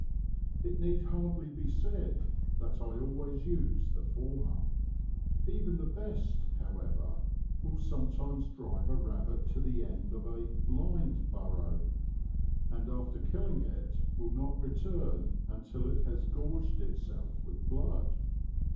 It need hardly be said that I always used the former. Even the best, however, will sometimes drive a rabbit to the end of a *' blind" burrow ; an after killing it will not return until it ha gorged itself with blood.